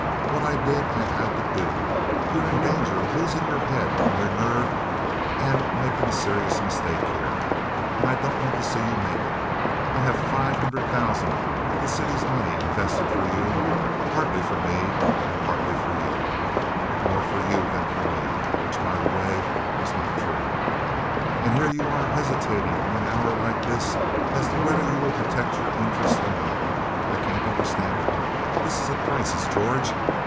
What I did I had to do. You're in danger of losing your head and your nerve and making a serious mistake here, and I don't want to see you make it. I have five hundred thousand of the city's money invested for you—partly for me, and partly for you, but more for you than for me"—which, by the way, was not true—"and here you are hesitating in an hour like this as to whether you will protect your interest or not. I can't understand it. This is a crisis, George.